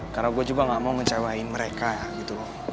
karena gue juga gak mau mencawain mereka gitu